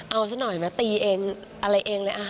เอาสักหน่อยมาตีเองอะไรเองเลย